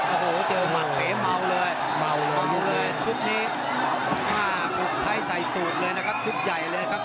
โอ้โหเจอมาตเฉมเท้าเหมาเลยสุดท้ายใส่ศูนย์เลยนะครับสุดใหญ่เลยครับ